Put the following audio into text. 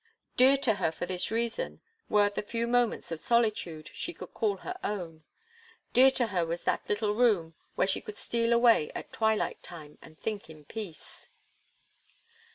Dear to her, for this reason; were the few moments of solitude she could call her own; dear to her was that little room, where she could steal away at twilight time and think in peace.